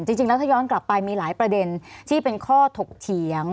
จริงแล้วถ้าย้อนกลับไปมีหลายประเด็นที่เป็นข้อถกเถียง